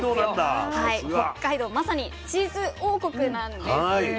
まさにチーズ王国なんです。